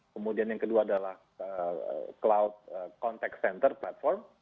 kemudian yang kedua adalah cloud contact center platform